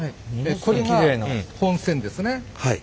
これが本船ですね。